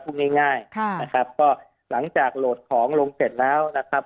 พูดง่ายนะครับก็หลังจากโหลดของลงเสร็จแล้วนะครับ